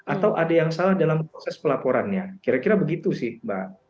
atau ada yang salah dalam proses pelaporannya kira kira begitu sih mbak